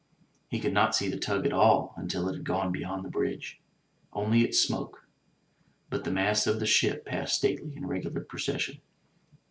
He could not see the tug at all until it had gone beyond the bridge, only its smoke; but the masts of the ship passed stately in regular procession.